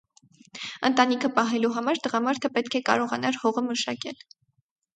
Ընտանիքը պահելու համար տղամարդը պետք է կարողանար հողը մշակել։